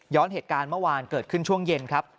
เหตุการณ์เมื่อวานเกิดขึ้นช่วงเย็นครับ